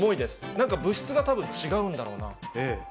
なんか物質がたぶん違うんだろうな。